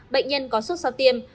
bệnh nhân có sốt sau tiêm